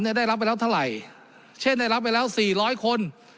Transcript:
ได้รับไปแล้วเท่าไหร่เช่นได้รับไปแล้วสี่ร้อยคน